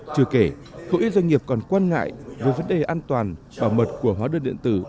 chưa kể không ít doanh nghiệp còn quan ngại về vấn đề an toàn bảo mật của hóa đơn điện tử